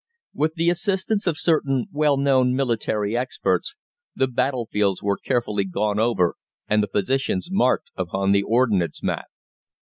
With the assistance of certain well known military experts, the battlefields were carefully gone over and the positions marked upon the Ordnance map.